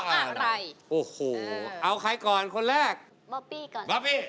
สวัสดีครับ